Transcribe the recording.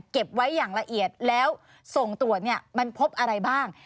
เก็บไว้อย่างละเอียดแล้วส่งตรวจเนี่ยมันพบอะไรบ้าง